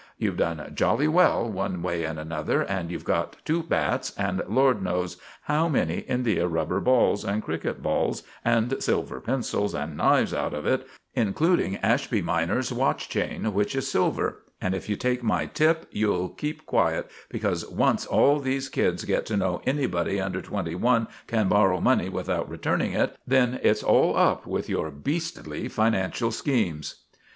You've done jolly well, one way and another, and you've got two bats, and Lord knows how many india rubber balls, and cricket balls, and silver pencils, and knives out of it, including Ashby minor's watch chain, which is silver; and if you take my tip you'll keep quiet, because once all these kids get to know anybody under twenty one can borrow money without returning it, then it's all up with your beastly financial schemes."